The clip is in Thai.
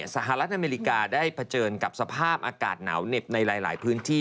สหรัฐอเมริกาได้เผชิญกับสภาพอากาศหนาวเหน็บในหลายพื้นที่